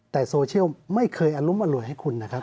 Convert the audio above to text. แต่โซเชียลไม่เคยอรุมอร่วยให้คุณนะครับ